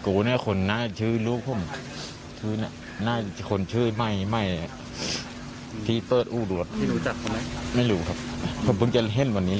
คือดูว่าลูกลูกเนี่ยเล่าให้ฟังว่าแม่เคยออกไปกับคนคนนี้